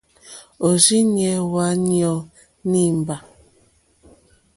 Òrzìɲɛ́ hwá yɔ̀ɔ̀ nìmbâ.